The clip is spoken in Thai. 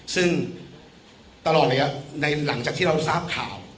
ซึ่งตลอดระยะในหลังจากที่เราทราบข่าว